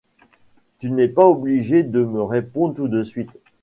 Tu n’es pas obligé de me répondre tout de suite.